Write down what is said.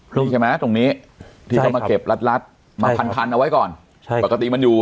ที่ใช่ไหมตรงนี้ที่เขาผ่านคันเอาไว้ก่อนปกติมันอยู่